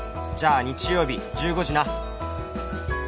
じゃあ日曜日１５時な」